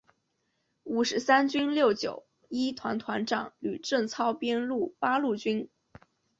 五十三军六九一团团长吕正操编入八路军。